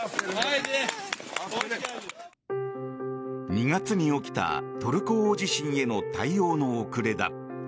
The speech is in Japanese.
２月に起きたトルコ大地震への対応の遅れだ。